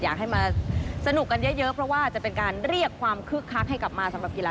อยากให้มาสนุกกันเยอะเพราะว่าจะเป็นการเรียกความคือคักให้กลับมา